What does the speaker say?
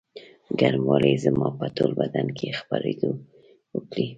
ګرموالي یې زما په ټول بدن کې خپرېدو وکړې.